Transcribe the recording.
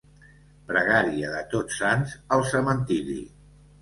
Pregària de Tots Sants al cementiri.